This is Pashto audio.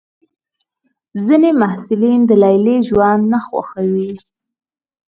ځینې محصلین د لیلیې ژوند نه خوښوي.